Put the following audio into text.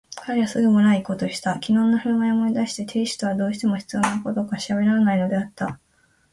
彼はすぐ村へいこうとした。きのうのふるまいを思い出して亭主とはどうしても必要なことしかしゃべらないでいたのだったが、